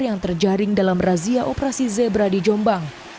yang terjaring dalam razia operasi zebra di jombang